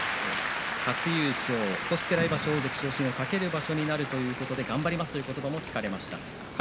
初優勝、そして来場所大関昇進を懸けるということで頑張りますという声が出ました。